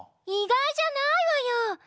いがいじゃないわよ！